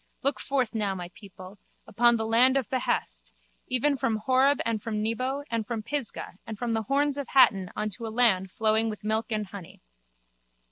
Look forth now, my people, upon the land of behest, even from Horeb and from Nebo and from Pisgah and from the Horns of Hatten unto a land flowing with milk and money.